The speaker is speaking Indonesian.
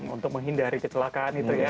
untuk menghindari kecelakaan itu ya